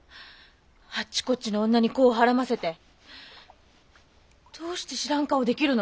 あっちこっちの女に子をはらませてどうして知らん顔できるの？